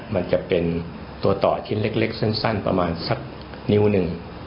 มันจะเป็นตัวต่อชิ้นเล็กสั้นประมาณสักนิ้วหนึ่ง